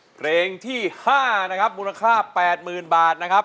เพลงที่๕นะครับมูลค่า๘๐๐๐บาทนะครับ